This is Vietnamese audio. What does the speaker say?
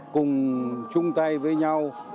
cùng chung tay với nhau